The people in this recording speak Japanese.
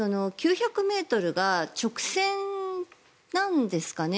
９００ｍが直線なんですかね。